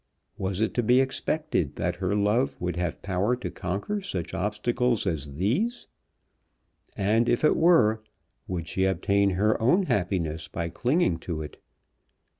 Was it to be expected that her love would have power to conquer such obstacles as these? And if it were, would she obtain her own happiness by clinging to it?